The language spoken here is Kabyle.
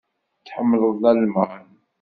Tḥemmleḍ Lalman?